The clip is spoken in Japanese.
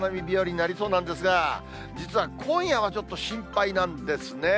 あすもお花見日和になりそうなんですが、実は、今夜がちょっと心配なんですね。